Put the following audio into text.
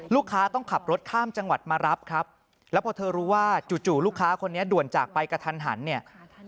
ลูกค้าต้องขับรถข้ามจังหวัดมารับครับแล้วพอเธอรู้ว่าจู่ลูกค้าคนนี้ด่วนจากไปกระทันหันเนี่ย